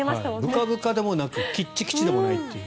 ぶかぶかでもなくきちきちでもないという。